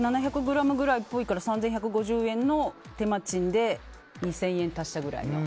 ７００ｇくらいっぽいから３１５０円の手間賃で２０００円足したくらいな。